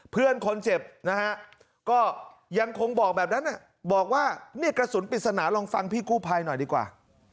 เพื่อนคนเจ็บนะฮะก็ยังคงบอกแบบนั้นบอกว่าเนี่ยกระสุนปริศนาลองฟังพี่กู้ภัยหน่อยดีกว่า